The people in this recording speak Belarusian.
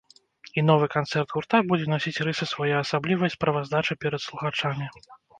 І новы канцэрт гурта будзе насіць рысы своеасаблівай справаздачы перад слухачамі.